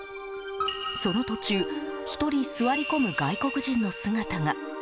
その途中１人、座り込む外国人の姿が。